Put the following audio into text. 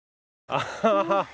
アハハハ